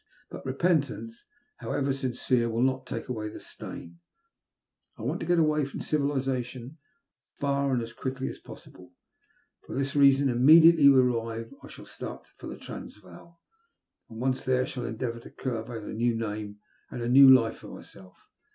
But repentance, however sincere, will not take away the stain. I want to get away from civilization as far and as quickly as possible. For this reason immediately we arrive I shall start for the Transvaal, and once there shall endeavour to carve out a new name and a new life for myself.